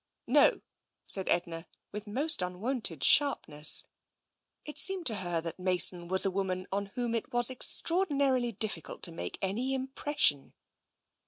'*" No," said Edna, with most unwonted sharpness. It seemed to her that Mason was a woman on whom it was extraordinarily difficult to make any impression.